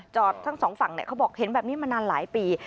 ทั้งสองฝั่งเขาบอกเห็นแบบนี้มานานหลายปี